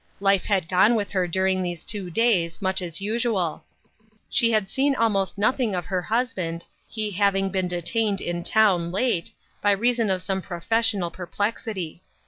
Life had gone with hc r during these two days much as usual. She had 134 " w c T u i y seen almost nothing of her husband, he having been detained in town late, by reason of some pro fessional perplexity.